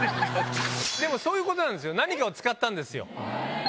でもそういうことなんですよ、何かを使ったんですよ。